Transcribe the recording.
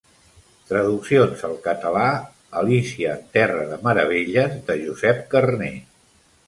Traduccions al català Alícia en terra de meravelles de Josep Carner.